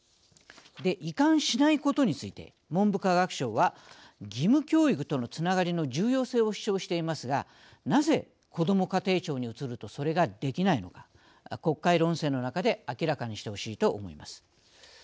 移管しないことについて文部科学省は義務教育とのつながりの重要性を主張していますがなぜこども家庭庁に移るとそれができないのか国会論戦の中で明らかにしてほしいと思います。